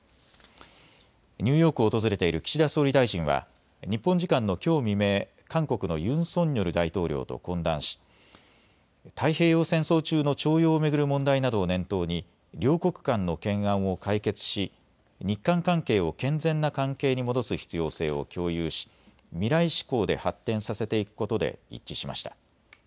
ニューヨークを訪れている岸田総理大臣は日本時間のきょう未明、韓国のユン・ソンニョル大統領と懇談し太平洋戦争中の徴用を巡る問題などを念頭に両国間の懸案を解決し日韓関係を健全な関係に戻す必要性を共有し未来志向で発展させていくことで一致しました。